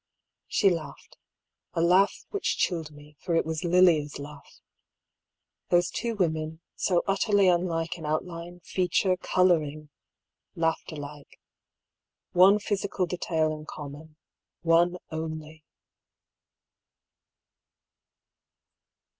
She laughed — a laugh which chilled me, for it was Lilia's laugh. Those two women, so utterly unlike in outline, feature, colouring, laughed alike. One physical detail in common — one only